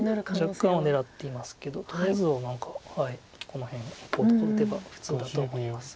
若干は狙っていますけどとりあえずは何かこの辺こうとか打てば普通だと思います。